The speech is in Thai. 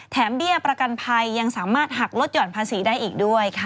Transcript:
เบี้ยประกันภัยยังสามารถหักลดหย่อนภาษีได้อีกด้วยค่ะ